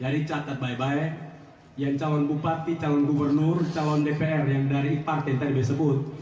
jadi catat baik baik yang calon bupati calon gubernur calon dpr yang dari partai tersebut